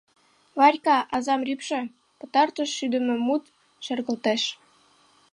— Варька, азам рӱпшӧ! — пытартыш шӱдымӧ мут шергылтеш.